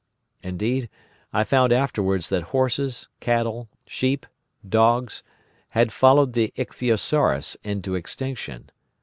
Indeed, I found afterwards that horses, cattle, sheep, dogs, had followed the Ichthyosaurus into extinction.